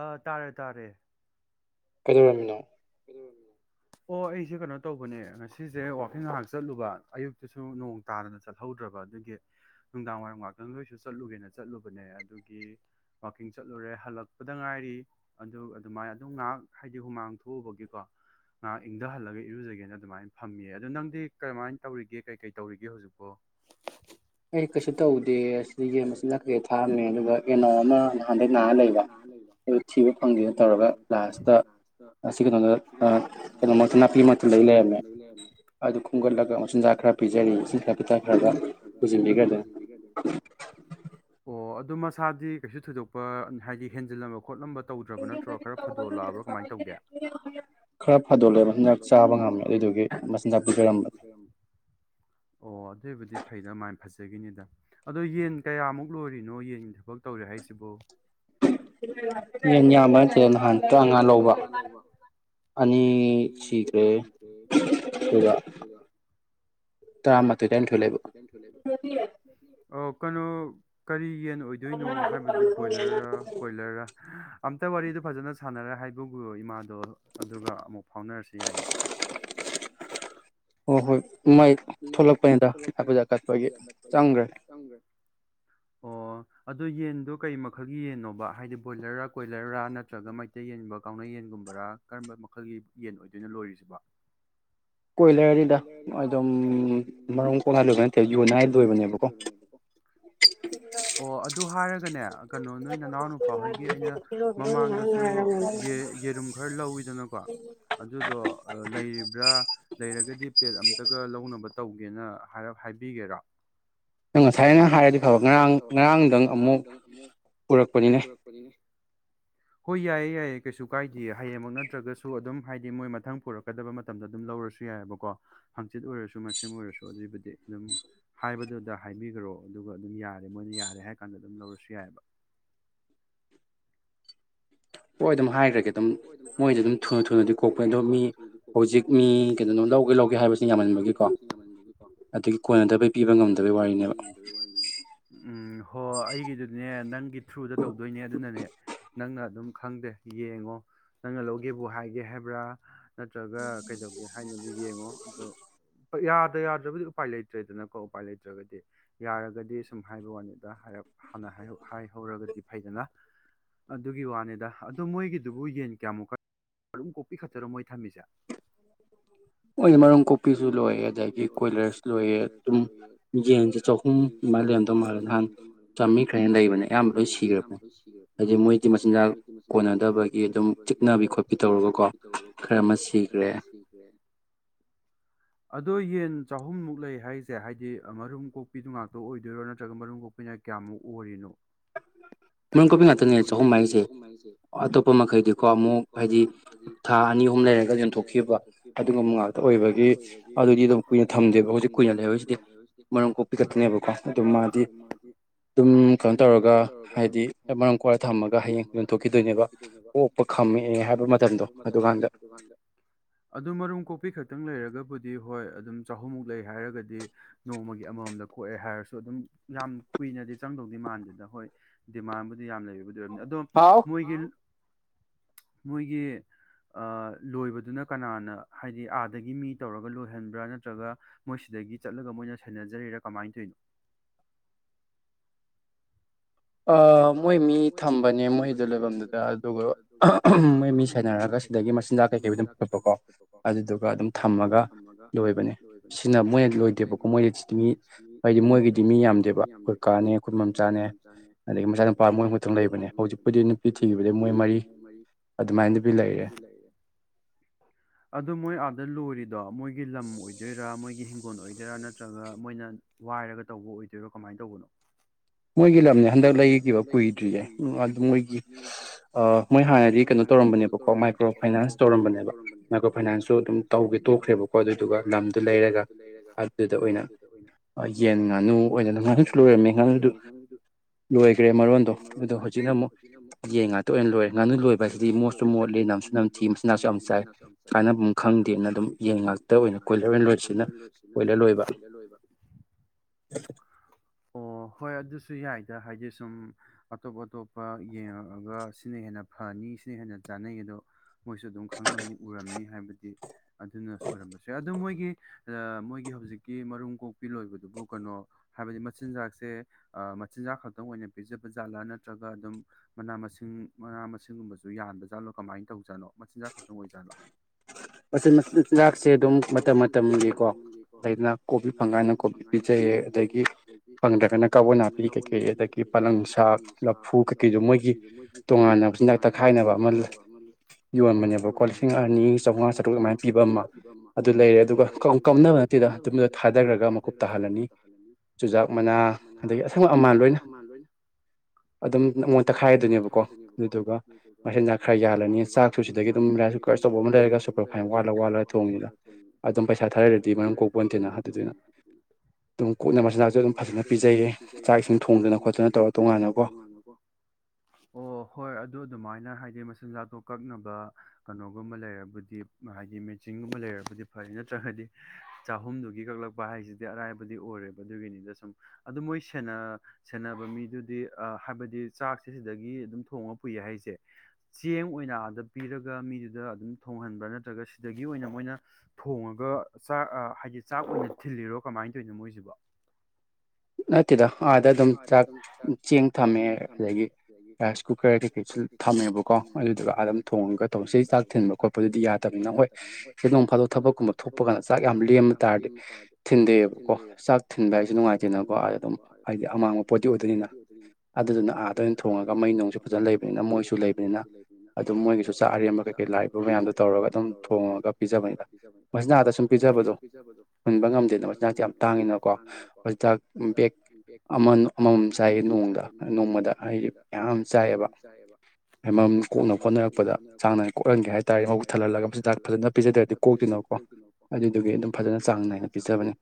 ꯑꯥ ꯇꯥꯔꯦ ꯇꯥꯔꯦ ꯀꯩꯗꯧꯔꯝꯃꯤꯅꯣ ꯎꯝ ꯑꯣ ꯑꯩꯁꯦ ꯀꯩꯅꯣ ꯇꯧꯕꯅꯦ ꯉꯁꯤꯁꯦ ꯋꯥꯋꯥꯛꯀꯤꯡ ꯉꯥꯏꯍꯥꯛ ꯆꯠꯂꯨꯕ ꯑꯌꯨꯛꯇꯁꯨ ꯅꯣꯡ ꯇꯥꯗꯁꯨ ꯆꯠꯍꯧꯗ꯭ꯔꯕ ꯑꯗꯨꯒꯤ ꯅꯨꯡꯗꯥꯡꯋꯥꯏꯔꯝ ꯉꯥꯛꯇꯪ ꯑꯣꯏꯁꯨ ꯆꯠꯂꯨꯒꯦꯅ ꯆꯠꯂꯨꯕꯅꯦ ꯑꯗꯨꯒꯤ ꯋꯥꯋꯥꯛꯀꯤꯡ ꯆꯠꯂꯨꯔꯦ ꯍꯜꯂꯛꯄꯗ ꯉꯥꯏꯔꯤ ꯑꯗꯨ ꯑꯗꯨꯃꯥꯏꯅ ꯑꯗꯨꯝ ꯉꯥꯏꯍꯥꯛ ꯍꯥꯏꯗꯤ ꯍꯨꯃꯥꯡ ꯢꯔꯨꯕꯒꯤꯒꯣ ꯉꯥꯏꯍꯥꯛ ꯏꯪꯊꯍꯜꯂꯒ ꯏꯔꯨꯖꯒꯦꯅ ꯑꯗꯨꯃꯥꯏꯅ ꯐꯝꯃꯤ ꯑꯗꯣ ꯅꯪꯗꯤ ꯀꯔꯝꯃꯥꯏꯅ ꯇꯧꯔꯤꯒꯦ ꯀꯩ ꯀꯩ ꯇꯧꯔꯤꯒꯦ ꯍꯧꯖꯤꯛꯄꯣ [inaudible] ꯑꯩ ꯀꯩꯁꯨ ꯇꯧꯗꯦ ꯑꯁꯤꯗ ꯌꯦꯟ ꯃꯆꯤꯟ ꯆꯥꯛ ꯀꯩꯀꯩ ꯊꯥꯔꯝꯃꯦ ꯑꯗꯨꯒ ꯌꯦꯟꯅꯧ ꯑꯃ ꯅꯍꯥꯟꯗꯩ ꯅꯥꯔ ꯂꯩꯕ ꯊꯤꯕ ꯐꯪꯗꯦꯅ ꯇꯧꯔꯒ ꯂꯥꯁꯇ ꯑꯁ ꯑꯥ ꯀꯩꯅꯣꯗ ꯅꯥꯄꯤ ꯃꯔꯛꯇ ꯂꯩ ꯂꯩꯔꯝꯃꯦ [unintelligible] ꯑꯗꯨ ꯈꯣꯒꯠꯂꯒ ꯃꯆꯤꯟꯖꯥꯛ ꯈꯔ ꯄꯤꯖꯔꯤ ꯏꯁꯤꯡ ꯈꯔ ꯄꯤꯊꯛꯈ꯭ꯔꯒ [unintelligible] ꯑꯣ ꯑꯗꯨ ꯃꯁꯥꯗꯤ ꯀꯩꯁꯨ ꯊꯣꯏꯗꯣꯛꯄ ꯍꯥꯏꯗꯤ ꯍꯦꯟꯖꯤꯜꯂꯝꯕ ꯈꯣꯠꯂꯝꯕ ꯇꯧꯗ꯭ꯔꯕ ꯅꯠꯇ꯭ꯔꯣ ꯈꯔ ꯐꯗꯣꯜꯂꯑꯕꯣ ꯀꯃꯥꯏꯅ ꯇꯧꯒꯦ ꯈꯔ ꯐꯥꯗꯣꯂꯦ ꯃꯆꯤꯟꯖꯥꯛ ꯆꯥꯕ ꯉꯝꯃꯦ ꯑꯗꯨꯏꯗꯨꯒꯤ ꯃꯆꯤꯟꯖꯥꯛ ꯄꯤꯖꯔꯝꯕꯅꯦ ꯑꯣ ꯑꯗꯨꯏꯕꯨꯗꯤ ꯐꯩꯗ ꯃꯥꯏ ꯐꯖꯒꯤꯅꯤꯗ ꯑꯗꯣ ꯌꯦꯟ ꯀꯌꯥꯃꯨꯛ ꯂꯣꯏꯔꯤꯅꯣ ꯌꯦꯟꯒꯤ ꯊꯕꯛ ꯇꯧꯔꯦ ꯍꯥꯏꯁꯤꯕꯨ ꯌꯦꯟ ꯌꯥꯝꯕ ꯅꯠꯇꯦ ꯅꯍꯥꯟ ꯇ꯭ꯔꯉꯥ ꯂꯧꯕ ꯑꯅꯤ ꯁꯤꯒ꯭ꯔꯦ ꯑꯗꯨꯒ ꯇꯔꯥꯃꯊꯣꯏ ꯇꯔꯥꯅꯤꯊꯣꯏ ꯂꯩꯕ ꯑꯣ ꯀꯩꯅꯣ ꯀꯔꯤ ꯌꯦꯟ ꯑꯣꯏ ꯨꯗꯨꯏꯅꯣ ꯍꯥꯏꯕꯗꯤ ꯕꯣꯏꯂꯔ ꯔꯥ ꯀꯣꯏꯂꯔ ꯔꯥ ꯑꯝꯇ ꯋꯥꯔꯤꯗꯨ ꯐꯖꯅ ꯁꯥꯟꯅꯔ ꯍꯥꯏꯗꯣꯈꯔꯣ ꯏꯃꯥꯗꯣ ꯑꯗꯨꯒ ꯑꯃꯨꯛ ꯐꯥꯎꯅꯔꯁꯨ ꯌꯥꯏꯌꯦ ꯍꯣꯏ ꯍꯣꯏ ꯃꯥꯏ ꯊꯣꯛꯂꯛꯄꯩꯅꯤꯗ ꯂꯥꯏꯄꯨꯖ ꯀꯠꯄꯒꯤ ꯆꯪꯈ꯭ꯔꯦ ꯆꯪꯒꯔꯦ [unintelligible] ꯑꯗꯣ ꯌꯦꯟꯗꯣ ꯀꯩ ꯃꯈꯜꯒꯤ ꯌꯦꯟꯅꯣꯕ ꯍꯥꯏꯗꯤ ꯕꯣꯏꯂꯔꯔ ꯀꯣꯏꯂꯔꯔ ꯅꯠꯇ꯭ꯔꯒ ꯃꯩ ꯃꯩꯇꯩ ꯌꯦꯟꯒꯕ ꯀꯥꯎꯅ ꯌꯦꯟꯒꯨꯝꯕꯔꯥ ꯀꯔꯝꯕ ꯃꯈꯜꯒꯤ ꯌꯦꯟ ꯑꯣꯏꯗꯣꯏꯅꯣ ꯂꯣꯏꯔꯤꯁꯤꯕꯣ [unintelligible] ꯀꯣꯏꯂꯔꯅꯤꯗ ꯑꯗꯨꯝ ꯃꯔꯨꯝ ꯀꯣꯛꯍꯜꯗꯧꯕ ꯅꯠꯇꯦ ꯌꯣꯟꯅꯤꯉꯥꯏ ꯂꯣꯏꯕꯅꯦꯕꯀꯣ ꯑꯣ ꯑꯗꯨ ꯍꯥꯏꯔꯒꯅꯦ ꯀꯩꯅꯣ ꯅꯣꯏ ꯅꯅꯥꯎ ꯅꯨꯄꯥꯍꯣꯏꯒꯤ ꯑꯩꯅ ꯃꯃꯥꯡꯗꯁꯨ ꯌꯦ ꯌꯦꯔꯨꯝ ꯈꯔ ꯂꯧꯋꯤꯗꯅꯀꯣ ꯑꯗꯨꯗꯣ ꯂꯩꯔꯤꯕ꯭ꯔꯥ ꯂꯩꯔꯒꯗꯤ ꯄ꯭ꯂꯦꯠ ꯑꯝ ꯇꯒ ꯂꯧꯅꯕ ꯇꯧꯒꯦꯅ ꯍꯥꯏꯔꯞ ꯍꯥꯏꯕꯤꯒꯦꯔꯥ ꯅꯪ ꯉꯁꯥꯏꯅ ꯍꯥꯏꯔꯗꯤ ꯐꯕ ꯉꯔꯥꯡ ꯉꯔꯥꯡꯗꯪ ꯑꯃꯨꯛ ꯄꯨꯔꯛꯄꯅꯤꯅꯦ [unintelligible] ꯍꯣꯏ ꯌꯥꯏꯌꯦ ꯌꯥꯏꯌꯦ ꯀꯩꯁꯨ ꯀꯥꯏꯗꯤꯌꯦ ꯍꯌꯦꯡꯃꯛ ꯅꯠꯇ꯭ꯔꯒꯁꯨ ꯑꯗꯨꯝ ꯍꯥꯏꯗꯤ ꯃꯣꯏ ꯃꯊꯪ ꯄꯨꯔꯛ ꯆꯀꯗꯕ ꯃꯇꯝꯗ ꯑꯗꯨꯝ ꯂꯧꯔꯁꯨ ꯌꯥꯏꯑꯦꯕꯀꯣ ꯍꯪꯆꯤꯠ ꯑꯣꯏꯔꯁꯨ ꯃꯁꯦꯝ ꯑꯣꯏꯔꯁꯨ ꯑꯗꯨꯏꯕꯨꯗꯤ ꯑꯗꯨꯝ ꯍꯥꯏꯕꯗꯨꯗ ꯍꯥꯏꯕꯤꯒ꯭ꯔꯣ ꯑꯗꯨꯒ ꯑꯗꯨꯝ ꯌꯥꯔꯦ ꯃꯣꯏꯅ ꯌꯥꯔꯦ ꯍꯥꯏ ꯀꯥꯟꯗ ꯑꯗꯨꯝ ꯂꯧꯔꯁꯨ ꯌꯥꯏꯑꯕ ꯍꯣꯏ ꯑꯗꯨꯝ ꯍꯥꯏꯔꯒꯦ ꯑꯗꯨꯝ ꯃꯣꯏꯗꯤ ꯑꯗꯨꯝ ꯊꯨꯅ ꯊꯨꯅꯗꯤ ꯀꯣꯛꯄꯗꯣ ꯃꯤ ꯍꯧꯖꯤꯛ ꯃꯤ ꯀꯩꯅꯣꯅꯣ ꯂꯧꯒꯦ ꯂꯧꯒꯦ ꯍꯥꯏꯕꯁꯤ ꯌꯥꯝꯃꯟꯕꯒꯤꯀꯣ [unintelligible] ꯑꯗꯨꯒꯤ ꯀꯣꯟꯅꯗꯕꯩ ꯄꯤꯕ ꯉꯝꯗꯕꯩ ꯋꯥꯔꯤꯅꯦꯕ ꯎꯝ ꯍꯣ ꯑꯩꯒꯤꯗꯨꯅꯦ ꯅꯪꯒꯤ ꯊ꯭ꯔꯨꯗ ꯇꯧꯗꯣꯏꯅꯦ ꯑꯗꯨꯅꯅꯦ ꯅꯪꯅ ꯑꯗꯨꯝ ꯈꯪꯗꯦ ꯌꯦꯡꯉꯣ ꯅꯪꯅ ꯂꯧꯒꯦꯕꯨ ꯍꯥꯏꯒꯦ ꯍꯥꯏꯕ꯭ꯔꯥ ꯅꯠꯇ꯭ꯔꯒ ꯀꯩꯗꯧꯒꯦ ꯍꯥꯏꯅꯣꯗꯨ ꯌꯦꯡꯉꯣ ꯑꯗꯣ ꯍꯣꯏ ꯌꯥꯗ ꯌꯥꯗ꯭ꯔꯕꯨꯗꯤ ꯎꯄꯥꯏ ꯂꯩꯇ꯭ꯔꯦꯗꯅꯀꯣ ꯎꯄꯥꯏ ꯂꯩꯇ꯭ꯔꯒꯗꯤ ꯌꯥꯔꯒꯗꯤ ꯁꯨꯝ ꯍꯥꯏꯕ ꯋꯥꯅꯤꯗ ꯍꯥꯏꯔꯞ ꯍꯥꯟꯅ ꯍꯥꯏꯍꯧꯔꯒꯗꯤ ꯐꯩꯗꯅ ꯑꯗꯨꯒꯤ ꯋꯥꯅꯤꯗ ꯑꯗꯨ ꯃꯣꯏꯒꯤ ꯑꯗꯨꯕꯨ ꯌꯦꯟ ꯀꯌꯥꯃꯨꯛꯀ ꯃꯔꯨꯝ ꯀꯣꯛꯄꯤ ꯈꯛꯇꯔꯣ ꯃꯣꯏ ꯊꯝꯃꯤꯁꯦ ꯃꯣꯏ ꯃꯔꯨꯝ ꯀꯣꯛꯄꯤꯁꯨ ꯂꯣꯏꯌꯦ ꯑꯗꯒꯤ ꯀꯣꯏꯂꯔꯁꯨ ꯂꯣꯏꯌꯦ ꯑꯗꯨꯝ ꯌꯦꯟꯁꯦ ꯆ ꯍꯨꯝ ꯑꯗꯨꯃꯥꯏꯅ ꯂꯩꯔꯝꯗꯧ ꯃꯥꯜꯂꯦ ꯅꯍꯥꯟ ꯆꯥꯝꯃꯔꯤ ꯈꯔ ꯍꯦꯟ ꯂꯩꯕꯅꯦ ꯑꯌꯥꯝꯕ ꯂꯣꯏ ꯁꯤꯈ꯭ꯔꯕꯅꯦ ꯍꯥꯏꯗꯤ ꯃꯣꯏꯗꯤ ꯃꯆꯤꯟꯖꯥꯛ ꯀꯣꯟꯅꯗꯕꯩ ꯒꯤ ꯑꯗꯨꯝ ꯆꯤꯛꯅꯕꯤ ꯈꯣꯠꯄꯤ ꯇꯧꯔꯒꯀꯣ ꯈꯔ ꯑꯃ ꯁꯤꯈ꯭ꯔꯦ ꯁꯤꯈ꯭ꯔꯦ ꯑꯗꯣ ꯌꯦꯟ ꯆꯍꯨꯝꯃꯨꯛ ꯂꯩ ꯍꯥꯏꯔꯤꯁꯦ ꯍꯥꯏꯗꯤ ꯃꯔꯨꯝ ꯀꯣꯛꯄꯤꯗꯨ ꯉꯥꯛꯇ ꯑꯣꯏꯗꯣꯏꯔꯣ ꯅꯠꯇ꯭ꯔꯒ ꯃꯔꯨꯝ ꯀꯣꯛꯄꯤ ꯃꯤꯅꯠ ꯀꯌꯥꯃꯨꯛ ꯑꯣꯏꯔꯤꯅꯣ ꯃꯔꯨꯝ ꯀꯣꯄꯤ ꯉꯥꯛꯇꯅꯦ ꯆꯍꯨꯝ ꯍꯥꯏꯁꯦ ꯑꯇꯣ ꯑꯄ ꯃꯈꯩꯗꯤꯀꯣ ꯑꯃꯨꯛ ꯍꯥꯏꯗꯤ ꯊꯥ ꯑꯅꯤ ꯑꯍꯨꯝ ꯂꯩꯔꯒ ꯌꯣꯟꯊꯣꯛꯈꯤꯕ ꯑꯗꯨꯒꯨꯝꯕ ꯉꯥꯛꯇ ꯑꯣꯏꯕꯒꯤ ꯑꯗꯨꯗꯤ ꯑꯗꯨꯝ ꯀꯨꯏꯅ ꯊꯝꯗꯦꯕ ꯍꯧꯖꯤꯛ ꯀꯨꯏꯅ ꯂꯩꯍꯧꯔꯤꯁꯤꯗꯤ ꯃꯔꯨꯝ ꯀꯣꯛꯄꯤ ꯈꯛꯇꯅꯦꯕꯀꯣ ꯑꯗꯨ ꯃꯥꯗꯤ ꯑꯗꯨꯝ ꯀꯩꯅꯣ ꯇꯧꯔꯒ ꯍꯥꯏꯗꯤ ꯃꯔꯨꯝ ꯀꯣꯛꯔ ꯊꯝꯃꯒ ꯍꯌꯦꯡ ꯌꯣꯟꯊꯣꯛꯈꯤꯗꯣꯏꯅꯦꯕ ꯑꯣ ꯈꯝꯃꯛꯑꯦ ꯍꯥꯏꯕ ꯃꯇꯝꯗꯣ ꯑꯗꯨꯀꯥꯟꯗ ꯑꯗꯨꯀꯥꯟꯗ ꯑꯗꯨ ꯃꯔꯨꯝ ꯀꯣꯛꯄꯤ ꯈꯛꯇꯪ ꯂꯩꯔꯒꯕꯨꯗꯤ ꯍꯣꯏ ꯑꯗꯨꯝ ꯆꯍꯨꯝꯃꯨꯛ ꯂꯩ ꯍꯥꯏꯔꯒꯗꯤ ꯅꯣꯡꯃꯒꯤ ꯑꯃꯃꯝꯗ ꯀꯣꯛꯑꯦ ꯍꯥꯏꯔꯁꯨ ꯑꯗꯨꯝ ꯌꯥꯝ ꯀꯨꯏꯅꯗꯤ ꯆꯪꯗꯧꯗꯤ ꯃꯥꯟꯗꯦꯗ ꯍꯣꯏ ꯗꯤꯃꯥꯟꯕꯨꯗꯤ ꯌꯥꯝ ꯂꯩꯕꯕꯨꯗꯨ ꯑꯣꯏꯔꯝꯅꯤ ꯑꯗꯣ ꯃꯣꯏꯒꯤ ꯃꯣꯏꯒꯤ ꯂꯣꯏꯕꯗꯨꯅ ꯀꯅꯥꯅ ꯍꯥꯏꯗꯤ ꯑꯥꯗꯒꯤ ꯃꯤ ꯇꯧꯔꯒ ꯂꯣꯏꯍꯟꯕ꯭ꯔꯥ ꯅꯠꯇ꯭ꯔꯒ ꯃꯣꯏ ꯁꯤꯗꯒꯤ ꯆꯠꯂꯒ ꯃꯣꯏꯅ ꯁꯦꯟꯅꯖꯔꯤꯔꯥ ꯀꯃꯥꯏꯅ ꯇꯧꯔꯤꯅꯣ ꯑ ꯃꯣꯏ ꯃꯤ ꯊꯝꯕꯅꯦ ꯃꯣꯏꯗꯨ ꯂꯣꯏꯐꯝꯗꯨꯗ ꯑꯗꯨꯒ ꯃꯣꯏ ꯃꯤ ꯁꯦꯟꯅꯔꯒ ꯁꯤꯗꯒꯤ ꯃꯆꯤꯟ ꯆꯤꯟꯖꯥꯛ ꯀꯩꯀꯩ ꯑꯗꯨꯝ ꯄꯨꯕꯀꯣ ꯑꯗꯨꯗꯨꯒ ꯑꯗꯨꯝ ꯊꯝꯃꯒ ꯂꯣꯏꯕꯅꯦ ꯁꯤꯅ ꯃꯣꯏꯅ ꯂꯣꯏꯗꯦꯕꯀꯣ ꯃꯣꯏ ꯁꯤꯗꯃꯤ ꯍꯥꯏꯗꯤ ꯃꯣꯏꯒꯤꯗꯤ ꯃꯤ ꯌꯥꯝꯗꯦꯕ ꯑꯩꯈꯣꯏ ꯀꯥꯅꯦ ꯑꯩꯈꯣꯏ ꯃꯝꯆꯥꯅꯦ ꯑꯗꯒꯤ ꯃꯆꯥꯅꯨꯄꯥ ꯃꯣꯏ ꯃꯣꯏꯇꯪ ꯂꯩꯕꯅꯦ ꯍꯧꯖꯤꯛꯄꯨꯗꯤ ꯅꯨꯄꯤ ꯊꯤꯈꯤꯕꯗꯩ ꯃꯣꯏ ꯃꯔꯤ ꯑꯗꯨꯃꯥꯏꯅ ꯅꯨꯄꯤ ꯂꯩꯔꯦ [unintelligible] ꯑꯗꯨ ꯃꯣꯏ ꯑꯥꯗ ꯂꯣꯏꯔꯤꯗꯣ ꯃꯣꯏꯒꯤ ꯂꯝ ꯑꯣꯏꯗꯣꯏꯔꯥ ꯃꯣꯏꯒꯤ ꯍꯤꯡꯒꯣꯜ ꯑꯣꯏꯗꯣꯏꯔꯥ ꯅꯠꯇ꯭ꯔꯒ ꯃꯣꯏꯅ ꯋꯥꯏꯔꯒ ꯇꯧꯕ ꯑꯣꯏꯗꯣꯏꯔꯣ ꯀꯃꯥꯏꯅ ꯇꯧꯕꯅꯣ ꯃꯣꯏꯒꯤ ꯂꯝꯅꯦ ꯍꯟꯗꯛ ꯂꯩ ꯒꯤꯕ ꯀꯨꯏꯗ꯭ꯔꯤꯌꯦ ꯑꯗꯨ ꯃꯣꯏꯒꯤ ꯃꯣꯏ ꯍꯥꯟꯅꯗꯤ ꯀꯩꯅꯣ ꯇꯧꯔꯝꯕꯅꯦꯕꯀꯣ ꯃꯥꯏ ꯃꯥꯏꯀ꯭ꯔꯣ ꯐꯥꯏꯅꯥꯟꯁ ꯇꯧꯔꯝꯕꯅꯦꯕ ꯃꯥꯏꯀ꯭ꯔꯣ ꯐꯥꯏꯅꯥꯟꯁꯁꯨ ꯑꯗꯨꯝ ꯇꯧꯒꯦ ꯇꯣꯛꯈ꯭ꯔꯦꯕꯀꯣ ꯑꯗꯨꯗꯨꯒ ꯂꯝꯗꯣ ꯂꯩꯔꯒ ꯑꯗꯨꯗ ꯑꯣꯏꯅ ꯌꯦꯟ ꯉꯥꯅꯨ ꯑꯣꯏꯅ ꯑꯗꯨ ꯉꯥꯅꯨꯁꯨ ꯂꯣꯏꯔꯝꯃꯦ ꯉꯥꯅꯨꯗꯨ ꯂꯣꯏꯒ꯭ꯔꯦ ꯃꯔꯣꯟꯗꯣ ꯑꯗꯣ ꯍꯧꯖꯤꯛꯅ ꯑꯃꯨꯛ ꯌꯦꯟ ꯉꯥꯥꯛꯇ ꯑꯣꯏꯅ ꯂꯣꯏꯔꯦ ꯉꯥꯅꯨ ꯂꯣꯏꯕ ꯍꯥꯏꯁꯤꯗꯤ ꯃꯣꯠꯁꯨ ꯃꯣꯠꯂꯤ ꯅꯝꯁꯨ ꯅꯝ ꯊꯤ ꯃꯆꯤꯟꯅꯥꯁꯨ ꯌꯥꯝ ꯆꯥꯏ ꯀꯥꯟꯅꯕꯝ ꯈꯪꯗꯦꯅ ꯑꯗꯨꯝ ꯌꯦꯟ ꯉꯥꯛꯇ ꯑꯣꯏꯅ ꯀꯣꯏꯂꯔ ꯂꯣꯏꯁꯤꯅ ꯀꯣꯏꯂꯔ ꯂꯣꯏꯕ ꯑꯣ ꯍꯣꯏ ꯑꯗꯨꯁꯨ ꯌꯥꯏꯗ ꯍꯥꯏꯗꯤ ꯁꯨꯝ ꯑꯇꯣꯞ ꯑꯇꯣꯞꯄ ꯌꯦꯡꯉꯛꯑꯒ ꯁꯤꯅ ꯍꯦꯟꯅ ꯐꯅꯤ ꯁꯤꯅ ꯍꯦꯟꯅ ꯆꯥꯅꯩ ꯑꯗꯣ ꯃꯣꯏꯁꯨ ꯑꯗꯨꯝ ꯈꯪꯉꯝꯅꯤ ꯎꯔꯝꯅꯤ ꯍꯥꯏꯕꯗꯤ ꯑꯗꯨꯅꯁꯨ ꯑꯣꯏꯔꯝꯕꯁꯨ ꯌꯥ ꯑꯗꯨ ꯃꯣꯏꯒꯤ ꯃꯣꯏꯒꯤ ꯍꯧꯖꯤꯛꯀꯤ ꯃꯔꯨꯝ ꯀꯣꯛꯄꯤ ꯂꯣꯏꯕꯗꯨꯕꯨ ꯀꯩꯅꯣ ꯍꯥꯏꯕꯗꯤ ꯃꯆꯤꯟꯖꯥꯛꯁꯦ ꯃꯆꯤꯟꯖꯥꯛ ꯈꯛꯇꯪ ꯑꯣꯏꯅ ꯄꯤꯖꯕ ꯖꯥꯠꯂꯥ ꯅꯠꯇ꯭ꯔꯒ ꯑꯗꯨꯝ ꯃꯅꯥ ꯃꯁꯤꯡ ꯃꯅꯥ ꯃꯁꯤꯡꯒꯨꯝꯕꯁꯨ ꯌꯥꯟꯕꯖꯥꯠꯂꯣ ꯀꯃꯥꯏ ꯇꯧꯖꯥꯠꯅꯣ ꯃꯆꯤꯟꯖꯥꯛ ꯈꯛꯇꯪ ꯑꯣꯏꯖꯥꯠꯂꯣ [unintelligible] ꯃꯆꯤꯟ ꯃꯆꯤꯟꯤꯟꯖꯥꯛꯁꯦ ꯑꯗꯨꯝ ꯃꯇꯝ ꯃꯇꯝꯒꯤꯀꯣ ꯂꯩꯗꯅ ꯀꯣꯕꯤ ꯐꯪ ꯀꯥꯟꯗ ꯀꯣꯕꯤ ꯄꯤꯖꯩꯌꯦ ꯑꯗꯒꯤ ꯐꯪꯗ꯭ꯔꯒꯅ ꯀꯥꯕꯣ ꯅꯥꯄꯤ ꯀꯩꯀꯩ ꯑꯗꯒꯤ ꯄꯥꯂꯪꯁꯥꯛ ꯂꯐꯨ ꯀꯩꯀꯩꯗꯣ ꯃꯣꯏꯒꯤ ꯇꯣꯉꯥꯟꯅꯕ ꯃꯆꯤꯟꯖꯥꯛ ꯇꯛꯈꯥꯏꯅꯕ ꯑꯃ ꯂꯩ [unintelligible] ꯌꯣꯟꯕꯅꯦꯕ ꯀꯣ ꯂꯤꯁꯤꯡ ꯑ ꯑꯅꯤ ꯆꯥꯎꯉꯥ ꯆꯥꯇ꯭ꯔꯨꯛ ꯑꯗꯨꯃꯥꯏꯅ ꯄꯤꯕ ꯑꯃ ꯑꯗꯨ ꯂꯩꯔꯦ ꯑꯗꯨꯒ ꯀꯝꯅꯕ ꯅꯠꯇꯦꯗ ꯑꯗꯨꯝꯕꯗꯣ ꯊꯥꯗꯒ꯭ꯔ ꯑꯃꯨꯛ [unintelligible] ꯆꯨꯖꯥꯛ ꯃꯅꯥ ꯑꯗꯒꯤ ꯑꯁꯪ ꯑꯃꯥꯟ ꯂꯣꯏꯅ ꯑꯃꯥꯜ ꯂꯣꯏꯅ ꯑꯗꯨꯝ ꯅꯉꯣꯟ ꯇꯛꯈꯥꯏꯗꯣꯏꯅꯦꯕꯀꯣ ꯑꯗꯨꯗꯨꯒ ꯃꯆꯤꯟꯖꯥꯛ ꯈꯔ ꯌꯥꯜꯂꯅꯤ ꯆꯥꯛꯁꯨ ꯁꯤꯗꯒꯤ ꯑꯗꯨꯝ ꯔꯥꯏꯁ ꯀꯨ ꯈꯔ ꯑꯆꯧꯕ ꯑꯃ ꯂꯩꯔꯒ ꯁꯨꯄꯔ ꯐꯥꯏꯟ ꯋꯥꯠꯂ ꯋꯥꯠꯂꯒ ꯊꯣꯡꯉꯤꯅ ꯑꯗꯨꯝ ꯄꯩꯁꯥ ꯊꯥꯔꯔꯗꯤ ꯃꯔꯝ ꯀꯣꯛꯄꯟꯦꯅ ꯍꯥ ꯑꯗꯨꯗꯨꯅ ꯑꯗꯨꯝ ꯀꯨꯢꯅ ꯃꯆꯤꯟꯖꯥꯛꯁꯨ ꯑꯗꯨꯝ ꯐꯖꯅ ꯄꯤꯖꯩꯔ ꯆꯥꯛꯁꯤꯡ ꯆꯥꯛ ꯏꯁꯤꯡ ꯊꯣꯡꯗꯅ ꯈꯣꯠꯇꯅ ꯇꯧꯔ ꯇꯣꯉꯥꯟꯅꯀꯣ ꯑꯣ ꯍꯣꯏ ꯑꯗꯨ ꯑꯗꯨꯃꯥꯏꯅ ꯍꯥꯏꯗꯤ ꯃꯆꯤꯟꯖꯥꯛꯊꯣꯛ ꯀꯛꯅꯕ ꯀꯩꯅꯣꯒꯨꯝꯕ ꯂꯩꯔꯕꯗꯤ ꯍꯥꯏꯗꯤ ꯃꯦꯆꯤꯟꯒꯨꯝꯕ ꯂꯩꯔꯕꯗꯤ ꯐꯩ ꯅꯠꯇ꯭ꯔꯒꯗꯤ ꯆꯍꯨꯝꯗꯨꯒꯤ ꯀꯛꯂꯛꯄ ꯍꯥꯏꯁꯤꯗꯤ ꯑꯔꯥꯏꯕꯗꯤ ꯑꯣꯏꯔꯦꯕ ꯑꯗꯨꯒꯤꯅꯤꯗ ꯁꯨꯝ ꯑꯗꯨ ꯃꯣꯏ ꯁꯦ ꯁꯦꯟꯅꯕ ꯃꯤꯗꯨꯗꯤ ꯍꯥꯏꯕꯗꯤ ꯆꯥꯛꯁꯦ ꯁꯤꯗꯒꯤ ꯑꯗꯨꯝ ꯊꯣꯡꯉ ꯄꯨꯏꯌꯦ ꯍꯥꯏꯁꯦ ꯆꯦꯡ ꯑꯣꯏꯅ ꯑꯥꯗ ꯄꯤꯔꯒ ꯃꯤꯗꯨꯗ ꯑꯗꯨꯝ ꯊꯣꯡꯍꯟꯕ꯭ꯔꯥ ꯅꯠꯇ꯭ꯔꯒ ꯁꯤꯗꯒꯤ ꯑꯣꯏꯅ ꯃꯣꯏꯅ ꯊꯣꯡꯉꯒ ꯆꯥꯛ ꯍꯥꯏꯗꯤ ꯆꯥꯛꯣꯡꯕ ꯊꯤꯜꯂꯤꯔꯣ ꯀꯃꯥꯏꯅ ꯇꯧꯔꯤꯅꯣ ꯃꯣꯏꯁꯤꯕꯣ ꯅꯠꯇꯦꯗ ꯑꯥꯗ ꯑꯗꯨꯝ ꯆꯥꯛ ꯆꯦꯡ ꯊꯝꯃꯦ ꯑꯗꯒꯤ ꯔꯥꯏꯁ ꯀꯨꯀꯔ ꯀꯩ ꯀꯩꯁꯨ ꯊꯝꯃꯦꯕꯀꯣ ꯑꯗꯨꯗꯨꯒ ꯑꯗꯨꯝ ꯊꯣꯡꯉꯒ ꯇꯧ ꯁꯤ ꯆꯥꯛ ꯊꯤꯟꯕ ꯈꯣꯠꯄꯗꯨꯗꯤ ꯌꯥꯗꯕꯅꯤꯅ ꯍꯣꯏ ꯅꯣꯡ ꯐꯥꯗꯣꯛ ꯊꯕꯛꯀꯨꯝꯕ ꯊꯣꯛꯄ ꯀꯥꯟꯗ ꯆꯥꯛ ꯌꯥꯝ ꯂꯦꯝꯕ ꯇꯥꯔꯗꯤ ꯊꯤꯟꯗꯩꯌꯦꯕꯀꯣ ꯆꯥꯛ ꯊꯤꯟꯕ ꯍꯥꯏꯁꯦ ꯅꯨꯡꯉꯥꯏꯇꯦꯅꯦꯀꯣ ꯑꯗꯨꯝ ꯍꯥꯏꯗꯤ ꯑꯃꯥꯡꯕ ꯄꯣꯠꯇꯤ ꯑꯣꯏꯗꯣꯏꯅꯤꯀꯣ ꯑꯗꯨꯗꯨꯅ ꯑꯥꯗ ꯑꯣꯏꯅ ꯊꯣꯡꯉꯒ ꯃꯩ ꯅꯨꯡꯁꯨ ꯐꯖꯅ ꯂꯩꯕꯅꯤꯅ ꯃꯣꯏ ꯂꯩꯕꯅꯤꯅ ꯑꯗꯨꯝ ꯃꯣꯏꯒꯤꯁꯨ ꯆꯥꯛ ꯑꯔꯦꯝꯕ ꯀꯩꯀꯩ ꯂꯥꯛꯏꯕ ꯃꯌꯥꯝꯗꯣ ꯇꯧꯔꯒ ꯑꯗꯨꯝ ꯊꯣꯡꯉꯒ ꯄꯤꯖꯕꯅꯤꯅ ꯃꯆꯤꯟꯅꯥꯇ ꯁꯨꯝ ꯄꯤꯖꯕꯗꯣ ꯍꯨꯟꯕ ꯉꯝꯗꯦꯅ ꯃꯆꯤꯟꯥꯛꯇ ꯌꯥꯝ ꯇꯥꯡꯉꯤꯅꯀꯣ ꯃꯆꯤꯟꯥꯛ ꯕꯦꯛ ꯑꯃ ꯑꯃꯃꯝ ꯆꯥꯏꯌꯦ ꯅꯣꯡꯗ ꯅꯣꯡꯃꯥꯗ ꯍꯥꯏꯗꯤ ꯌꯥꯝ ꯆꯥꯏꯌꯦꯕ ꯃꯃꯝ ꯀꯣꯛꯅ ꯍꯣꯠꯅꯔꯛꯄꯗ ꯆꯥꯡ ꯏꯅ ꯀꯣꯛꯍꯟꯒꯦ ꯍꯥꯏꯇꯥꯔꯦ ꯃꯕꯨꯛ ꯊꯜꯍꯜꯂꯒ ꯃꯆꯤꯟꯗꯥꯛ ꯐꯖꯅ ꯄꯤꯖꯗ꯭ꯔꯗꯤ ꯀꯣꯛꯇꯤꯅ ꯀꯣ ꯑꯗꯨꯏꯗꯨꯒꯤ ꯑꯗꯨꯝ ꯐꯖꯅ ꯆꯥꯡ ꯅꯥꯏꯅ ꯄꯤꯖꯕꯅꯦ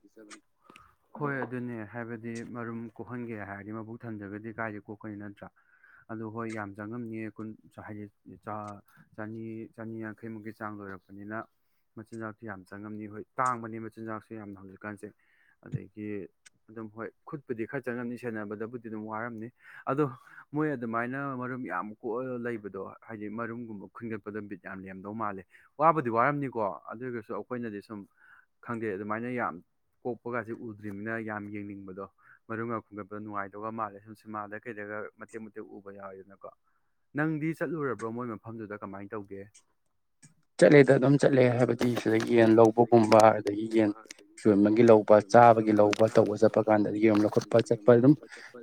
ꯍꯣꯏ ꯑꯗꯨꯅꯦ ꯍꯥꯏꯕꯗꯤ ꯃꯔꯨꯝ ꯀꯣꯛꯍꯟꯒꯦ ꯍꯥꯏꯔꯗꯤ ꯃꯕꯨꯛ ꯊꯟꯖ꯭ꯔꯒꯗꯤ ꯀꯥꯏꯗꯦ ꯀꯣꯛꯀꯅꯤ ꯅꯠꯇ꯭ꯔꯥ ꯑꯗꯨ ꯍꯣꯏ ꯌꯥꯝ ꯆꯪꯉꯝꯅꯤꯌꯦ ꯀꯨꯟ ꯍꯥꯏꯗꯤ ꯆꯅꯤ ꯆꯅꯤ ꯌꯥꯡꯈꯩꯃꯨꯛꯀꯤ ꯆꯥꯡ ꯂꯣꯏꯔꯛꯄꯅꯤꯅ ꯃꯆꯤꯟꯖꯥꯛꯁꯨ ꯌꯥꯝ ꯆꯪꯉꯝꯅꯤ ꯍꯣꯏ ꯇꯥꯡꯕꯅꯤ ꯃꯆꯤꯟꯖꯥꯛꯁꯨ ꯌꯥꯝꯅ ꯍꯧꯖꯤꯛꯀꯥꯟꯁꯦ ꯑꯗꯒꯤ ꯑꯗꯨꯝ ꯍꯣꯏ ꯈꯨꯠꯄꯨꯗꯤ ꯈꯔ ꯆꯪꯉꯝꯅꯤ ꯁꯦꯟꯅꯕꯗꯕꯨꯗꯤ ꯑꯗꯨꯝ ꯋꯥꯔꯝꯅꯤ ꯑꯗꯣ ꯃꯣꯏ ꯑꯗꯨꯃꯥꯏꯅ ꯃꯔꯨꯝ ꯌꯥꯝ ꯀꯣꯛꯑ ꯂꯩꯕꯗꯣ ꯍꯥꯏꯗꯤ ꯃꯔꯨꯝꯒꯨꯝꯕ ꯈꯟꯒꯠꯄꯗ ꯕꯤꯠ ꯌꯥꯝ ꯂꯦꯝꯗꯧ ꯃꯥꯜꯂꯦ ꯋꯥꯕꯨꯗꯤ ꯋꯥꯔꯝꯅꯤꯀꯣ ꯑꯗꯨ ꯑꯣꯏꯔꯒꯁꯨ ꯑꯩꯈꯣꯏꯅꯗꯤ ꯁꯨꯝ ꯈꯪꯗꯦ ꯑꯗꯨꯃꯥꯏꯅ ꯌꯥꯝ ꯀꯣꯛꯄꯒꯁꯦ ꯎꯗ꯭ꯔꯤꯕꯅꯤꯅ ꯌꯥꯝ ꯌꯦꯡꯅꯤꯡꯕꯗꯣ ꯃꯔꯨꯝ ꯈꯨꯡꯒꯞꯄꯗ ꯅꯨꯡꯉꯥꯏꯗꯧꯕ ꯃꯥꯜꯂꯦ ꯁꯨꯝ ꯁꯤꯃꯥꯗ ꯀꯩꯗꯒ ꯃꯇꯦꯛ ꯃꯇꯦꯛ ꯎꯕ ꯌꯥꯎꯋꯤꯗꯅꯀꯣ ꯅꯪꯗꯤ ꯆꯠꯂꯨꯔꯕ꯭ꯔꯣ ꯃꯣꯏ ꯃꯐꯝꯗꯨꯗ ꯀꯃꯥꯏꯅ ꯇꯧꯒꯦ ꯆꯠꯂꯦꯗ ꯑꯗꯨꯝ ꯆꯠꯂꯦ ꯍꯥꯏꯕꯗꯤ ꯁꯤꯗ ꯌꯦꯟ ꯂꯧꯕꯒꯨꯝꯕ ꯑꯗꯒꯤ ꯌꯦꯟ ꯆꯣꯏꯕꯒꯤ ꯂꯧꯕ ꯆꯥꯕꯒꯤ ꯂꯧꯕ ꯇꯧꯕ ꯆꯠ ꯆꯠꯄ ꯀꯥꯟꯗ ꯌ ꯂꯧꯈꯠꯄ ꯆꯠꯄ ꯑꯗꯨꯝ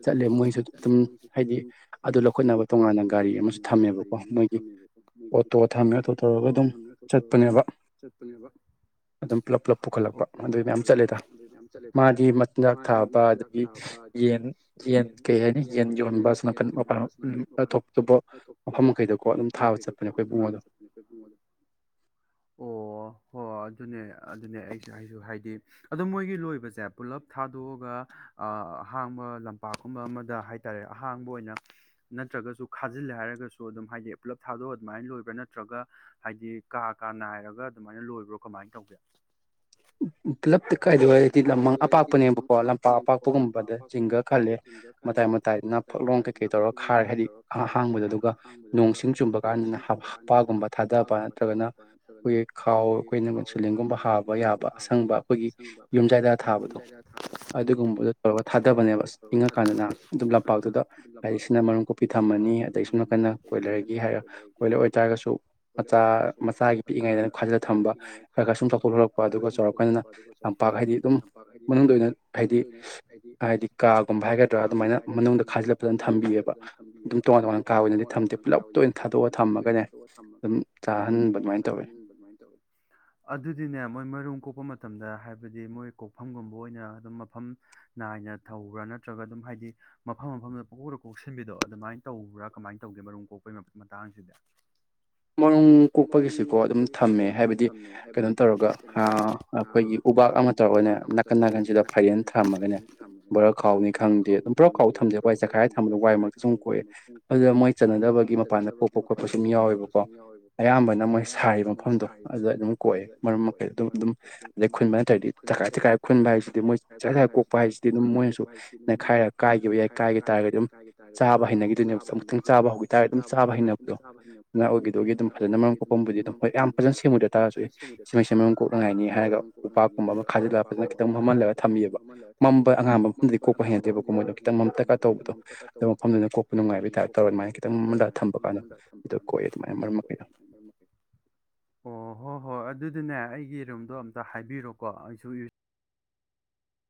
ꯆꯠꯂꯦ ꯃꯣꯏꯁꯨ ꯑꯗꯨꯝ ꯍꯥꯏꯗꯤ ꯑꯗꯨ ꯂꯧꯈꯠꯅꯕ ꯇꯣꯉꯥꯟꯅ ꯒꯥꯔꯤ ꯑꯃꯁꯨ ꯊꯝꯃꯦꯕꯀꯣ ꯃꯣꯏꯒꯤ ꯑꯣꯇꯣ ꯊꯝꯃꯦꯦ ꯑꯣꯇꯣ ꯇꯧꯔꯒ ꯊꯝꯃꯦ ꯇꯧꯊꯧꯔꯒ ꯑꯗꯨꯝ ꯆꯠꯄꯅꯦꯕ ꯑꯗꯨꯝ ꯄꯨꯂꯞ ꯄꯨꯂꯞ ꯄꯨꯈꯠꯂꯛꯄ ꯑꯗꯨꯏ ꯃꯌꯥꯝ ꯆꯠꯂꯦꯗ ꯃꯥꯗꯤ ꯃꯆꯤꯟꯖꯥꯛ ꯊꯥꯕ ꯑꯗꯒꯤ ꯌꯦꯟ ꯌꯦꯟ ꯀꯩ ꯍꯥꯏꯅꯤ ꯌꯦꯟ ꯌꯣꯟꯕ [unintelligible] ꯃꯐꯝ ꯃꯈꯩꯗꯀꯣ ꯑꯗꯨꯝ ꯊꯥꯕ ꯆꯠꯄꯅꯦ ꯑꯩꯈꯣꯏ ꯏꯕꯨꯡꯉꯣꯗꯣ [unintelligible] ꯑꯣ ꯍꯣꯏ ꯑꯗꯨꯅꯦ ꯑꯗꯨꯅꯦ ꯑꯩꯁꯨ ꯍꯥꯏꯁꯨ ꯍꯥꯏꯗꯤ ꯑꯗꯣ ꯃꯣꯏꯒꯤ ꯂꯣꯏꯕꯁꯦ ꯄꯨꯜꯂꯞ ꯊꯥꯗꯣꯛꯑꯒ ꯑꯍꯥꯡꯕ ꯂꯝꯄꯥꯛꯀꯨꯝꯕ ꯑꯃꯗ ꯍꯥꯏꯇꯥꯔꯦ ꯑꯍꯥꯡꯕ ꯑꯣꯏꯅ ꯅꯠꯇ꯭ꯔꯒꯁꯨ ꯈꯥꯖꯤꯜꯂꯦ ꯍꯥꯏꯔꯒꯁꯨ ꯑꯗꯨꯝ ꯍꯥꯏꯗꯤ ꯄꯨꯂꯞ ꯊꯥꯗꯣꯛꯑ ꯑꯗꯨꯃꯥꯏꯅ ꯂꯣꯏꯕ꯭ꯔꯥ ꯅꯠꯇ꯭ꯔꯒ ꯍꯥꯏꯗꯤ ꯀꯥ ꯀꯥ ꯅꯥꯏꯔꯒ ꯑꯗꯨꯃꯥꯏꯅ ꯂꯣꯏꯕ꯭ꯔꯣ ꯀꯃꯥꯏꯅ ꯇꯧꯒꯦ ꯄꯨꯂꯞꯇ ꯀꯥꯏꯗꯧꯋꯥ ꯍꯥꯏꯗꯤ ꯂꯝꯃꯥꯡ ꯑꯄꯥꯛꯄꯅꯦꯕꯀꯣ ꯂꯝꯄꯥꯛ ꯑꯄꯥꯛꯄꯒꯨꯝꯕꯗ ꯆꯤꯡꯒ ꯈꯜꯂꯦ ꯃꯇꯥꯏ ꯃꯇꯥꯏꯗꯨꯅ ꯐꯛꯂꯣꯡ ꯀꯩꯀꯩ ꯇꯧꯔꯒ ꯈꯥꯏꯔꯦ ꯍꯥꯏꯗꯤ ꯑꯍꯥꯡꯕꯗ ꯑꯗꯨꯒ ꯅꯣꯡꯁꯤꯡ ꯆꯨꯝꯕ ꯀꯥꯟ ꯍꯞꯄꯥꯒꯨꯝꯕ ꯊꯥꯗꯕ ꯅꯠꯇ꯭ꯔꯒꯅ ꯑꯩꯈꯣꯏꯒꯤ ꯈꯥꯎ ꯑꯩꯈꯣꯏꯅ ꯁꯨꯨꯂꯤꯟꯒꯨꯝꯕ ꯍꯥꯕ ꯌꯥꯕ ꯑꯁꯪꯕ ꯑꯩꯈꯣꯏꯒꯤ ꯌꯨꯝꯖꯥꯏꯗ ꯊꯥꯕꯗꯣ ꯑꯗꯨꯒꯨꯝꯕꯗꯣ ꯇꯧꯔꯒ ꯊꯥꯗꯕꯅꯦꯕ ꯏꯪꯉꯀꯥꯟꯗꯅ ꯑꯗꯨꯝ ꯄꯥꯛꯇꯨꯗ ꯍꯥꯏꯗꯤ ꯁꯤꯅ ꯃꯔꯨꯝ ꯀꯨꯞꯄꯤ ꯊꯝꯃꯅꯤ ꯑꯗꯒꯤ ꯁꯨꯝ ꯅꯥꯀꯟꯅ ꯀꯣꯏꯂꯔꯒꯤ ꯍꯥꯏꯔ ꯀꯣꯏꯂꯔ ꯑꯣꯏ ꯇꯥꯔꯒꯁꯨ ꯃꯆꯥ ꯃꯆꯥꯒꯤ ꯄꯤꯛꯏꯉꯩꯗꯅ ꯈꯥꯖꯤꯜꯂ ꯊꯝꯕ ꯈꯔ ꯈꯔ ꯁꯨꯝ ꯆꯥꯎꯊꯣꯛ ꯍꯂꯛꯄ ꯑꯗꯨꯒ ꯆꯥꯎꯔꯛꯀꯥꯟꯗꯅ ꯂꯝꯄꯥꯛ ꯍꯥꯏꯗꯤ ꯑꯗꯨꯝ ꯃꯅꯨꯡꯗ ꯑꯣꯏꯅ ꯍꯥꯏꯗꯤ ꯍꯥꯏꯗꯤ ꯀꯥ ꯍꯥꯏꯒꯗ꯭ꯔꯥ ꯑꯗꯨꯃꯥꯏꯅ ꯃꯅꯨꯡꯗ ꯈꯥꯖꯤꯜꯂ ꯐꯖꯅ ꯊꯝꯕꯤꯑꯕ ꯑꯗꯨꯝ ꯇꯣꯉꯥꯟ ꯇꯣꯉꯥꯟ ꯀꯥ ꯑꯣꯏꯅꯗꯤ ꯊꯝꯗꯦ ꯄꯨꯂꯞ ꯑꯣꯏꯅ ꯊꯥꯗꯣꯛꯑ ꯊꯝꯃꯒꯅꯦ ꯑꯗꯨꯝ ꯆꯥꯍꯟꯕ ꯑꯗꯨꯃꯥꯏꯅ ꯇꯧꯋꯦ ꯑꯗꯨꯗꯤꯅꯦ ꯃꯣꯏ ꯃꯔꯨꯝ ꯀꯣꯛꯄ ꯃ ꯇꯝꯗ ꯍꯥꯏꯕꯗꯤ ꯃꯣꯏ ꯀꯣꯛꯐꯝꯒꯨꯝꯕ ꯑꯣꯏꯅ ꯑꯗꯨꯝ ꯃꯐꯝ ꯅꯥꯏꯅ ꯊꯧꯕ꯭ꯔꯥ ꯅꯠꯇ꯭ꯔꯒ ꯑꯗꯨꯝ ꯍꯥꯏꯗꯤ ꯃꯐꯝ ꯃꯐꯝꯗ ꯄꯀꯣꯛꯇ ꯀꯣꯛꯁꯤꯟꯕꯤꯗꯣ ꯑꯗꯨꯃꯥꯏꯅ ꯇꯧꯕ꯭ꯔꯥ ꯀꯃꯥꯏꯅ ꯇꯧꯒꯦ ꯃꯔꯨꯝ ꯀꯣꯛꯄꯒꯤ ꯃꯇꯥꯡꯁꯤꯗ ꯃꯔꯨꯝ ꯀꯣꯛꯄꯒꯤꯁꯤꯀꯣ ꯑꯗꯨꯝ ꯊꯝꯃꯦ ꯍꯥꯏꯕꯗꯤ ꯀꯩꯅꯣ ꯇꯧꯔꯒ ꯑ ꯑꯩꯈꯣꯏꯒꯤ ꯎꯕꯥꯛ ꯑꯃꯥ ꯇꯧꯔꯒꯅꯦ ꯅꯥꯀꯟ ꯅꯥꯀꯟꯁꯤꯗ ꯐꯩꯔꯦꯟ ꯊꯝꯃꯒꯅꯦ ꯂꯣꯏꯔꯛ ꯀꯥꯎꯅꯤ ꯈꯪꯗꯦ ꯑꯗꯨꯝ ꯄꯨꯔꯞ ꯀꯥꯎ ꯊꯝꯗꯦ ꯋꯥꯏ ꯆꯈꯥꯏꯔ ꯊꯝꯕꯗꯣ ꯋꯥꯏꯃꯔꯛꯇ ꯁꯨꯝ ꯀꯣꯛꯑꯦ ꯑꯗꯨꯗ ꯃꯣꯏ ꯆꯟꯅꯗꯕꯒꯤ ꯃꯄꯥꯟꯗ ꯀꯣꯛꯄ ꯈꯣꯠꯄ ꯁꯨꯝ ꯌꯥꯎꯋꯦꯕꯀꯣ ꯀꯣ ꯑꯌꯥꯝꯕꯅ ꯃꯣꯏ ꯁꯥꯔꯤ ꯃꯐꯝꯗꯣ ꯑꯗꯨꯗ ꯑꯗꯨꯝ ꯀꯣꯛꯑꯦ ꯃꯔꯨꯝ ꯃꯈꯩꯗ ꯑꯗꯨꯝ ꯑꯗꯨꯝ ꯀꯣ ꯑꯗꯩ ꯈꯨꯟꯕ ꯅꯠꯇ꯭ꯔꯗꯤ ꯆꯈꯥꯏ ꯆꯈꯥꯏ ꯈꯨꯟꯕ ꯍꯥꯏꯁꯤꯗꯤ ꯃꯣꯏ ꯆꯈꯥꯏ ꯆꯈꯥꯏ ꯀꯣꯛꯄ ꯍꯥꯏꯁꯤꯗꯤ ꯑꯗꯨꯝ ꯃꯣꯏꯅꯁꯨ ꯅꯩꯈꯥꯏꯔꯛ ꯀꯥꯏꯒꯤꯕ ꯌꯥꯏ ꯀꯥꯏꯕ ꯇꯥꯔꯒꯗꯤ ꯑꯗꯨꯝ ꯆꯥꯕ ꯍꯩꯅꯈꯤꯗꯣꯏꯅꯦꯕ ꯑꯃꯨꯛꯇꯪ ꯆꯥꯕ ꯍꯧꯈꯤ ꯇꯥꯔꯒꯗꯤ ꯑꯗꯨꯝ ꯆꯥꯕ ꯍꯩꯅꯕꯗꯣ ꯅ ꯑꯣꯏꯒꯤꯗꯗꯨꯒꯤ ꯑꯗꯨꯝ ꯐꯖꯅ ꯃꯔꯨꯝ ꯀꯣꯛꯐꯝꯕꯨꯗꯤ ꯑꯗꯨꯝ ꯍꯣꯏ ꯌꯥꯝ ꯐꯖꯅ ꯁꯦꯡꯃꯨꯗ꯭ꯔ ꯇꯥꯔꯁꯨ ꯑꯦ ꯁꯤꯉꯩꯁꯦ ꯃꯔꯨꯝ ꯀꯣꯛꯅꯉꯥꯏꯅꯤ ꯅꯤ ꯍꯥꯏꯔꯒ ꯎꯄꯥꯛꯀꯨꯝꯕ ꯑꯃꯥ ꯈꯥꯖꯤꯜꯂꯒ ꯐꯖꯅ ꯈꯤꯇꯪ ꯃꯝꯍꯜꯂꯒ ꯊꯝꯃꯤꯕ ꯃꯝꯕ ꯑꯉꯥꯟ ꯅꯠꯇ꯭ꯔꯗꯤ ꯀꯣꯛꯄ ꯍꯩꯟꯗꯦꯕꯀꯣ ꯃꯣꯏꯗꯣ ꯈꯤꯇꯪ ꯃꯝꯇꯛꯀ ꯇꯧꯕꯗꯣ ꯑꯗꯨ ꯃꯐꯝꯗꯨꯅ ꯀꯣꯛꯄ ꯅꯨꯡꯉꯥꯏꯕꯥꯏ ꯇꯥꯏꯄ ꯇꯧꯋꯦ ꯑꯗꯨꯃꯥꯏꯅ ꯃꯝꯕꯗ ꯊꯝꯕ ꯀꯥꯟꯗ ꯊꯝꯕ ꯀꯥꯟꯗ ꯑꯗ ꯀꯣꯛꯑꯦ ꯃꯔꯨꯝ ꯃꯈꯩ ꯑꯣ ꯍꯣ ꯍꯣꯏ ꯑꯗꯨꯗꯤꯅꯦ ꯑꯩꯒꯤ ꯔꯨꯝꯗꯣ ꯑꯝꯇ ꯍꯥꯏꯕꯤꯔꯣꯀꯣ ꯑꯩꯁꯨ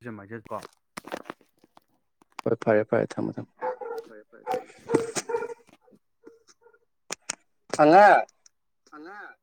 ꯔꯨꯖ ꯃꯥꯏꯊ ꯀꯣ ꯍꯣꯏ ꯐꯔꯦ ꯐꯔꯦ ꯊꯝꯃꯣ ꯊꯝꯃꯣ ꯍꯣꯏ ꯐꯔꯦ ꯐꯔꯦ ꯊꯝꯃꯣ ꯊꯝꯃꯣ ꯑꯉꯥꯡ ꯑꯉꯥ